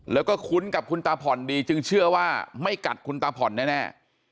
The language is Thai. แล้วก็คุ้นกับคุณตาผ่อนดีจึงเชื่อว่าไม่กัดคุณตาผ่อนแน่